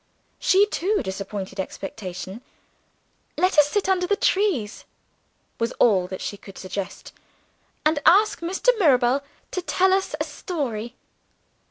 She, too, disappointed expectation. "Let us sit under the trees," was all that she could suggest, "and ask Mr. Mirabel to tell us a story."